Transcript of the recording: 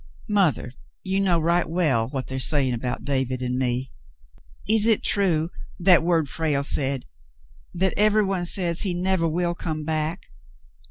"Mothah, you know right well what they're saying about David and me. Is it true, that word Frale said, that everyone says he nevah will come back.